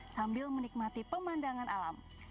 sambil menikmati pemandangan alam